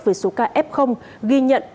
với số ca f ghi nhận